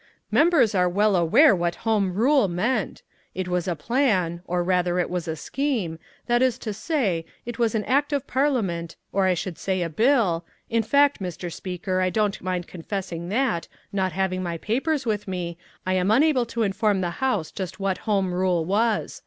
"Members are well aware what Home Rule meant. It was a plan or rather it was a scheme that is to say, it was an act of parliament, or I should say a bill, in fact, Mr. Speaker, I don't mind confessing that, not having my papers with me, I am unable to inform the House just what Home Rule was.